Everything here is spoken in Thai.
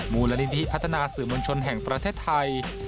มูลนิธิพัฒนาสื่อมวลชนแห่งประเทศไทย